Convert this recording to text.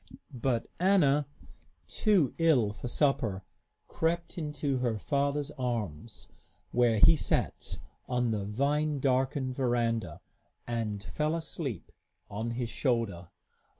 But Anna, too ill for supper, crept into her father's arms, where he sat on the vine darkened veranda, and fell asleep on his shoulder.